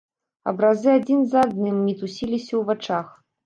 Абразы адзін за адным мітусіліся ў вачах.